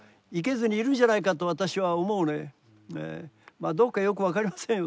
まあどうかよく分かりませんよ